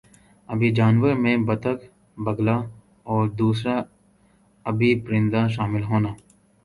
آبی جانور میں بطخ بگلا اور دُوسْرا آبی پرندہ شامل ہونا